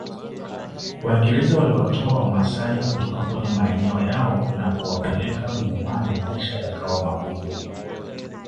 Waingereza waliwatoa wamasai kutoka kwenye maeneo yao na kuwapeleka milimani maisha yakawa magumu